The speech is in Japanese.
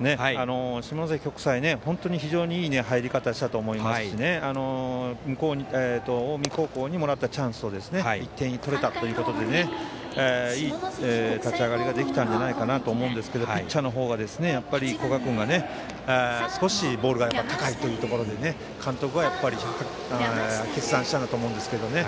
下関国際本当に非常にいい入り方をしたと思いますし近江高校にもらったチャンス１点くれたということでいい立ち上がりができたんじゃないかなと思うんですけどピッチャーの古賀君のボールが高いというところで監督は決断したんだと思うんですけどね。